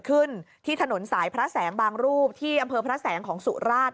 ขึ้นที่ถนนสายพระแสงบางรูปที่อำเภอพระแสงของสุราช